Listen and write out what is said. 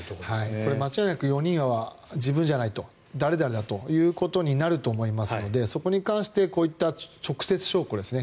間違いなく４人は自分じゃない誰々だということになると思うのでそこに関してこういった直接証拠ですね。